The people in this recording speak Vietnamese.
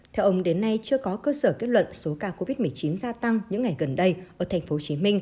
theo ông đến nay chưa có cơ sở kết luận số ca covid một mươi chín gia tăng những ngày gần đây ở tp hcm